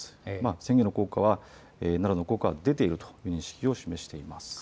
宣言の効果は、効果は出ているという認識を示しています。